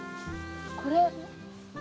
これ。